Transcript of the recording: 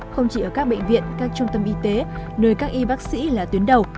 không chỉ ở các bệnh viện các trung tâm y tế nơi các y bác sĩ là tuyến đầu